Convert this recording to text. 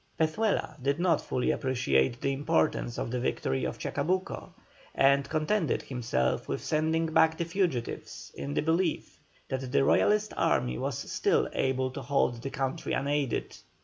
Pezuela did not fully appreciate the importance of the victory of Chacabuco, and contented himself with sending back the fugitives, in the belief that the Royalist army was still able to hold the country unaided.